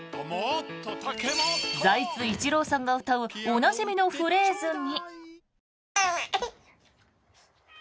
財津一郎さんが歌うおなじみのフレーズに。